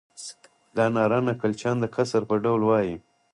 دا ناره نکل چیان د کسر پر ډول وایي.